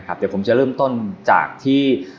ก็จะเริ่มต้นจากที่